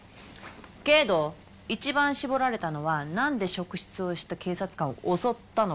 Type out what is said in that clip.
けど一番絞られたのはなんで職質をした警察官を襲ったのかって事。